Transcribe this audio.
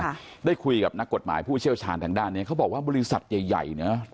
ค่ะได้คุยกับนักกฎหมายผู้เชี่ยวชาญทางด้านเนี้ยเขาบอกว่าบริษัทใหญ่ใหญ่เนี้ย